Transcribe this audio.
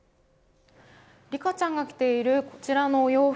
リカちゃんが着ているこちらのお洋服